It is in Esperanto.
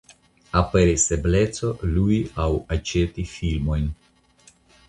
Aperis ebleco lui aŭ aĉeti filmojn.